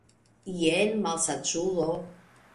Jen, malsaĝulo!